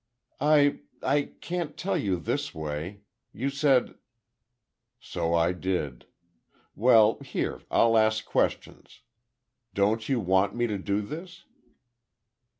"I—I can't tell you this way! You said—" "So I did. Well, here, I'll ask questions. Don't you want me to do this?"